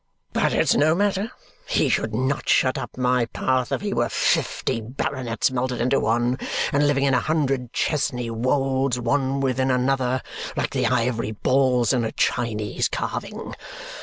But it's no matter; he should not shut up my path if he were fifty baronets melted into one and living in a hundred Chesney Wolds, one within another, like the ivory balls in a Chinese carving.